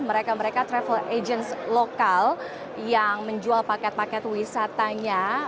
mereka mereka travel agents lokal yang menjual paket paket wisatanya